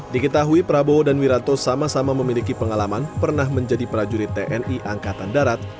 diketahui prabowo dan wiranto sama sama memiliki pengalaman pernah menjadi prajurit tni angkatan darat